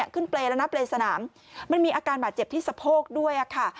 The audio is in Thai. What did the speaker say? เปรย์แล้วนะเปรย์สนามมันมีอาการบาดเจ็บที่สะโพกด้วยค่ะ